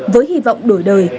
với hy vọng đổi đời